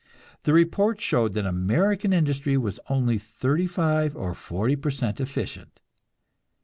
The report showed that American industry was only thirty five or forty per cent efficient.